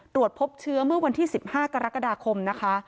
ตรวจพบเชื้อเมื่อวันที่๑๕กรกฎาคมนะคะ